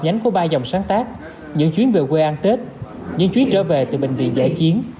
nhánh của ba dòng sáng tác những chuyến về quê an tết những chuyến trở về từ bệnh viện giải chiến